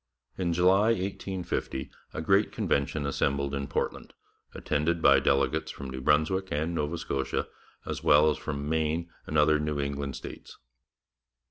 In July 1850 a great convention assembled in Portland, attended by delegates from New Brunswick and Nova Scotia as well as from Maine and other New England states.